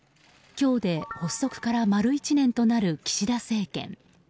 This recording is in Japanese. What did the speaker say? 今日で発足から丸１年となる岸田政権。